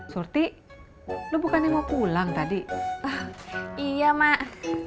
surti lu bukannya mau pulang tadi iya mak